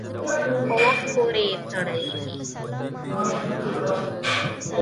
په وخت پورې تړلي دي.